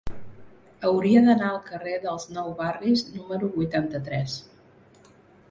Hauria d'anar al carrer dels Nou Barris número vuitanta-tres.